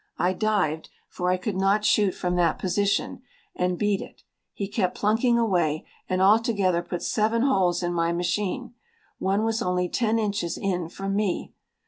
I dived, for I could not shoot from that position, and beat it. He kept plunking away and altogether put seven holes in my machine. One was only ten inches in from me.